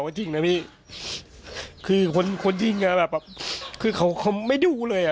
จริงนะพี่คือคนคนยิงอ่ะแบบคือเขาเขาไม่ดูเลยอ่ะ